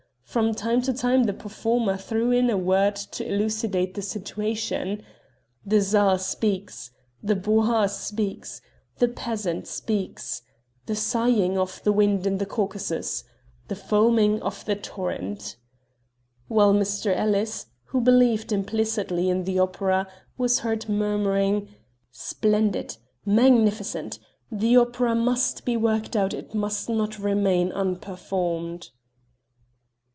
From time to time the performer threw in a word to elucidate the situation: "The czar speaks...." "The bojar speaks...." "The peasant speaks...." "The sighing of the wind in the Caucasus...." "The foaming of the torrent...." While Mr. Ellis, who believed implicitly in the opera, was heard murmuring: "Splendid! ... magnificent! The opera must be worked out it must not remain unperformed!"